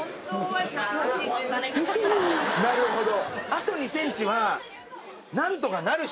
なるほど。